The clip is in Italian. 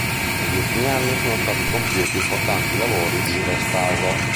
Negli ultimi anni sono stati compiuti importanti lavori di restauro.